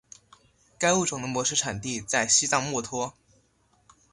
该物种的模式产地在西藏墨脱。